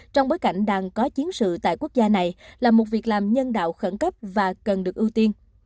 trong bối cảnh đang có chiến sự tại quốc gia này là một việc làm nhân đạo khẩn cấp và cần được ưu tiên